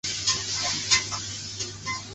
政和三年升润州置。